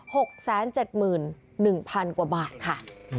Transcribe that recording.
หกแสนเจ็ดหมื่นหนึ่งพันกว่าบาทค่ะ